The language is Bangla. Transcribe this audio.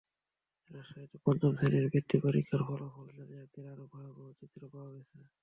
রাজশাহীতে পঞ্চম শ্রেণির বৃত্তি পরীক্ষার ফলাফল জালিয়াতির আরও ভয়াবহ চিত্র পাওয়া গেছে।